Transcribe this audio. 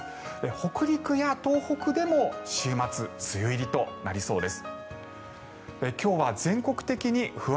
北陸や東北でも週末、梅雨入りとなりそうです。